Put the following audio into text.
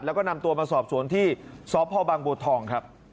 แล้วก็นำตัวมาสอบสวนที่สพบังบัวทองครับ